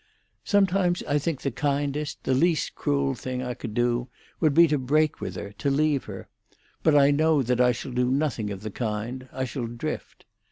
Sometimes I think that the kindest—the least cruel—thing I could do would be to break with her, to leave her. But I know that I shall do nothing of the kind; I shall drift.